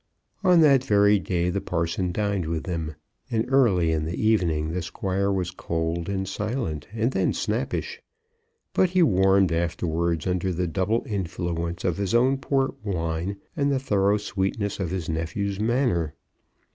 On that very day the parson dined with them, and early in the evening the Squire was cold, and silent, and then snappish. But he warmed afterwards under the double influence of his own port wine, and the thorough sweetness of his nephew's manner.